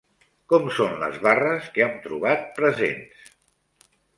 Com són les barres que han trobat presents?